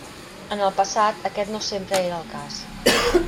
En el passat, aquest no sempre era el cas.